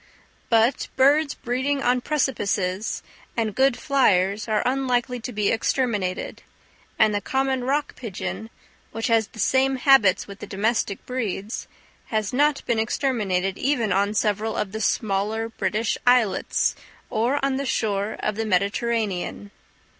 But birds breeding on precipices, and good flyers, are unlikely to be exterminated; and the common rock pigeon, which has the same habits with the domestic breeds, has not been exterminated even on several of the smaller British islets, or on the shores of the Mediterranean.